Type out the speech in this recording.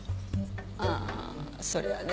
ああそりゃあね